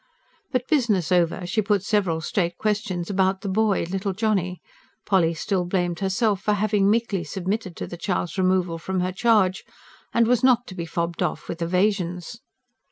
But business over, she put several straight questions about the boy, little Johnny Polly still blamed herself for having meekly submitted to the child's removal from her charge and was not to be fobbed off with evasions.